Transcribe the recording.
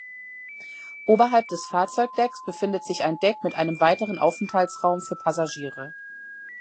Oberhalb des Fahrzeugdecks befindet sich ein Deck mit einem weiteren Aufenthaltsraum für Passagiere.